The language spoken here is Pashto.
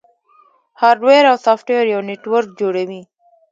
هارډویر او سافټویر یو نیټورک جوړوي.